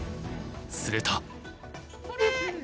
すると。